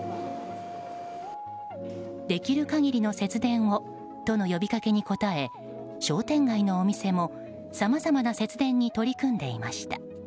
できる限りの節電をとの呼びかけに答え商店街のお店もさまざまな節電に取り組んでいました。